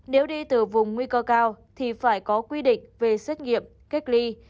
nếu đi từ vùng nguy cơ cao thì phải có quy định về xét nghiệm cách ly